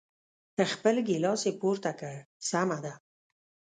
خپل ګیلاس یې پورته کړ، سمه ده.